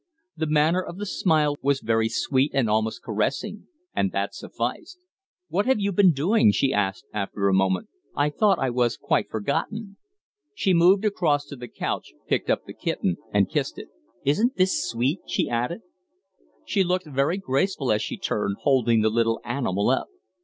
The manner of the smile was very sweet and almost caressing and that sufficed. "What have you been doing?" she asked, after a moment. "I thought I was quite forgotten." She moved across to the couch, picked up the kitten, and kissed it. "Isn't this sweet?" she added. She looked very graceful as she turned, holding the little animal up.